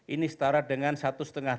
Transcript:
ini setara dengan satu lima triliun dolar as